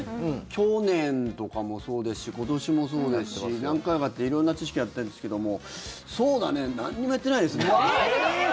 去年とかもそうですし今年もそうですし何回かやって、色んな知識やってるんですけれどもそうだね何もやってないですね。